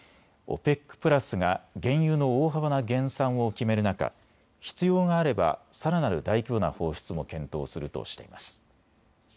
ＯＰＥＣプラスが原油の大幅な減産を決める中、必要があればさらなる大規模な放出も検討するとしています。